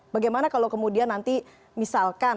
bagaimana kalau kemudian nanti misalkan